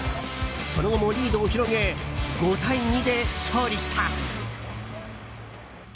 その後もリードを広げ５対２で勝利した。